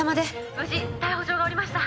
「無事逮捕状が下りました」